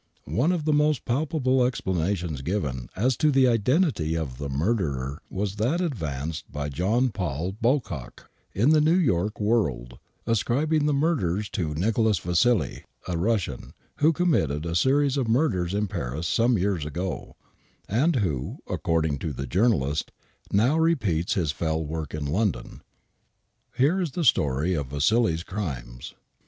One of the most palpable explanations given as to the identity of the murderer was that advanced by John Paul Bocock, in the ^ew York "World," ascribing the murders to iN'icholas Vassili, a Russian,, who committed a series of murders in Paris some years ago, and who, according to the journalist, now repeats his fell work in London. Here is the story of iN'assili's crimes.